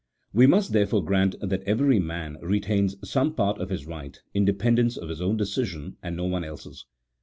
We must, therefore, grant that every man retains some part of his right, in dependence on his own decision, and no one else's.